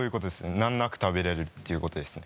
難なく食べれるっていうことですね。